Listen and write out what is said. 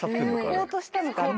飲ませようとしたのかな？